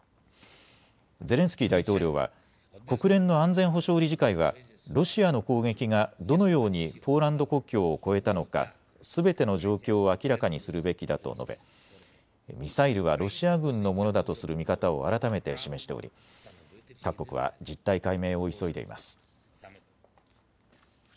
ゼレンスキー大統領は国連の安全保障理事会はロシアの攻撃がどのようにポーランド国境を越えたのか、すべての状況を明らかにするべきだと述べミサイルはロシア軍のものだとする見方を改めて示しており各国は実態解明を急いでいます。